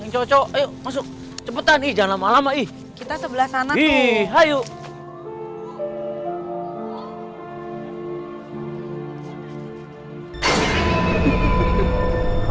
cocok ayo masuk cepetan ijalan lama lama ih kita sebelah sana nih hayuk